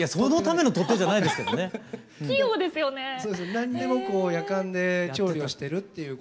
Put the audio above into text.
何でもこうやかんで調理をしてるっていうことを。